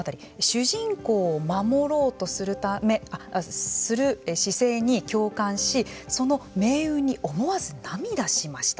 主人公を守ろうとする姿勢に共感しその命運に思わず涙しました。